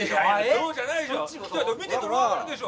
そうじゃないでしょ